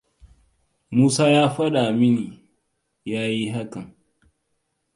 Musa ya faɗa mini ya yi hakan.